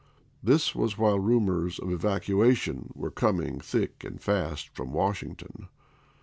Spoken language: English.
This was while rumors of evac uation were coming thick and fast from Washing ton.